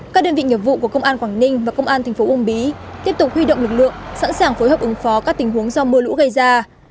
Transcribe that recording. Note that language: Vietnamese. các đơn vị nghiệp vụ của công an quảng ninh và công an thành phố uông bí tiếp tục huy động lực lượng sẵn sàng phối hợp ứng phó các tình huống do mưa lũ gây ra